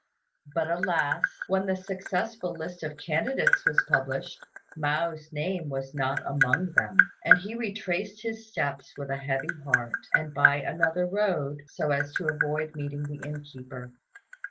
But alas! when the successful list of candidates was published, Mao's name was not among them; and he retraced his steps with a heavy heart, and by another road, so as to avoid meeting the innkeeper.